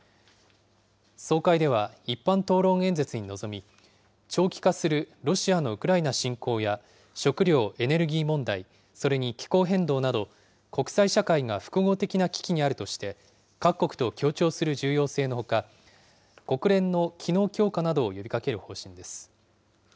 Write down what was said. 総会では一般討論演説に臨み、長期化するロシアのウクライナ侵攻や、食料・エネルギー問題、それに気候変動など、国際社会が複合的な危機にあるとして、各国と協調する重要性のほか、国連の機能強化などを呼びかける方針です。